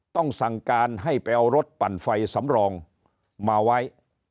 ต้องสั่งการให้ไปเอารถปั่นไฟสำรองมาไว้